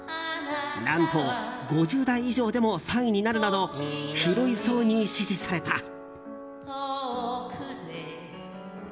何と、５０代以上でも３位になるなど広い層に支持された。